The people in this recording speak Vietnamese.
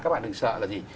các bạn đừng sợ là gì